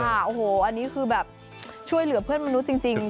อันนี้คือช่วยเหลือเพื่อนมนุษย์จริง